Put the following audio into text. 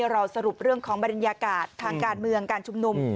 เราสรุปเรื่องของบรรยากาศทางการเมืองการชุมนุม